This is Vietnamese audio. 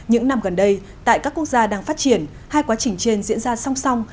những năm gần đây tại các quốc gia đang phát triển hai quá trình trên diễn ra song song